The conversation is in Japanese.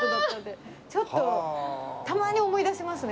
ちょっとたまに思い出しますね。